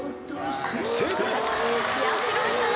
正解。